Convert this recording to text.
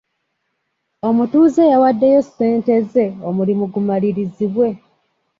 Omutuuze yawaddeyo ssente ze omulimu gumalirizibwe.